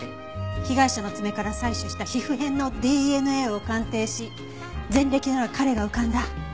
被害者の爪から採取した皮膚片のＤＮＡを鑑定し前歴のある彼が浮かんだ。